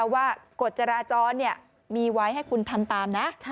กฎจราจรมีไว้ให้คุณทำตามนะ